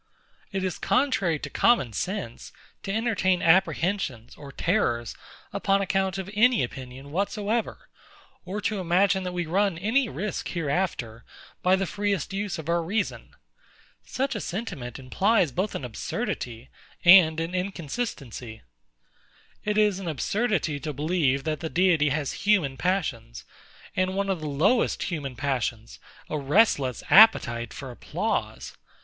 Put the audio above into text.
It is contrary to common sense to entertain apprehensions or terrors upon account of any opinion whatsoever, or to imagine that we run any risk hereafter, by the freest use of our reason. Such a sentiment implies both an absurdity and an inconsistency. It is an absurdity to believe that the Deity has human passions, and one of the lowest of human passions, a restless appetite for applause.